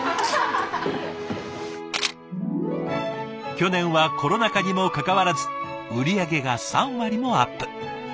去年はコロナ禍にもかかわらず売り上げが３割もアップ。